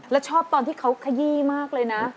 แล้วชอบตอนที่เขาขยี้มากเลยนะ